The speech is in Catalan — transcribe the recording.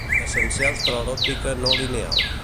Essencials per a l’òptica no lineal.